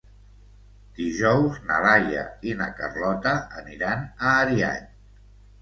Dijous na Laia i na Carlota aniran a Ariany.